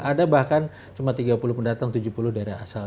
ada bahkan cuma tiga puluh pendatang tujuh puluh daerah asal